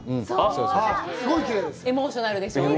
エモーショナルでしょう？